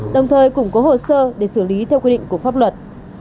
đồng thời cũng có hồ sơ để xử lý theo quy định của pháp luật